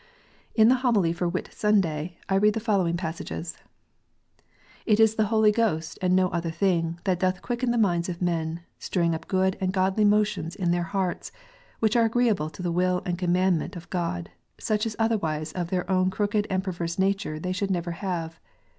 In the Homily for Whit Sunday, I read the following pas sages : "It is the Holy Ghost, and no other thing, that doth quicken the minds of men, stirring up good and godly motions in their hearts, which are agreeable to the will and command ment of God, such as otherwise of their own crooked and perverse nature they should never have.